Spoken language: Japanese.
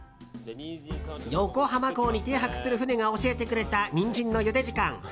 横浜港に停泊する船が教えてくれたニンジンのゆで時間。